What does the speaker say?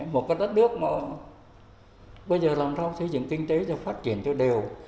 một cái đất nước mà bây giờ làm sao xây dựng kinh tế cho phát triển cho đều